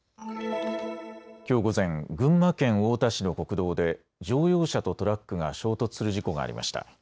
きょう午前、群馬県太田市の国道で乗用車とトラックが衝突する事故がありました。